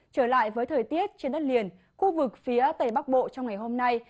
trở lại với thời tiết trên đất liền khu vực phía tây bắc bộ trong ngày hôm nay